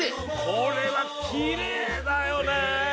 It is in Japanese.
これはきれいだよね